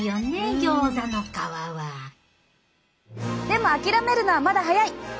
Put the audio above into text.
でも諦めるのはまだ早い！